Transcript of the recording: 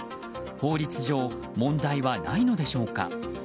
法律上、問題はないのでしょうか。